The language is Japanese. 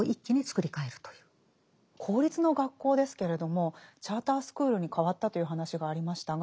公立の学校ですけれどもチャータースクールに変わったという話がありましたが。